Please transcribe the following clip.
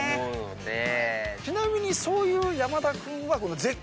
ちなみにそういう山田君はこの絶叫系。